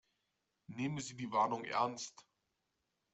Nehmen Sie die Warnung ernst.